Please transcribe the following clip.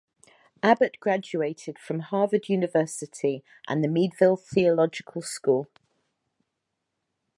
Abbot graduated from Harvard University and the Meadville Theological School.